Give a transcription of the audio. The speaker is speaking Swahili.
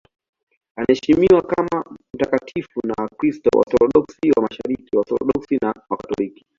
Anaheshimiwa kama mtakatifu na Wakristo Waorthodoksi wa Mashariki, Waorthodoksi na Wakatoliki.